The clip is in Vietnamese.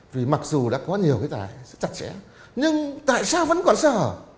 vì mặc dù đã có nhiều cái tài rất chặt chẽ nhưng tại sao vẫn còn sở